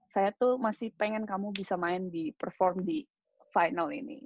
saya tuh masih pengen kamu bisa main di perform di final ini